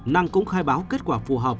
năng cũng khai báo kết quả phù hợp